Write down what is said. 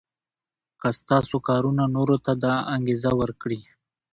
که ستاسو کارونه نورو ته دا انګېزه ورکړي.